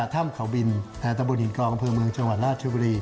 ท่ามเขาบิลทะบุริกอลกระเภอเมืองจังหวัดราชชาวบุรี